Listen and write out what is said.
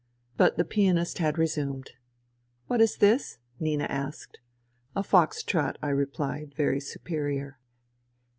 But the pianist had resumed. " What is this ?" Nina asked. " A fox trot," I replied, very superior.